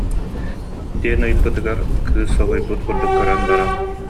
диэн ыйыппытыгар, кыыс соһуйбут курдук көрөн баран: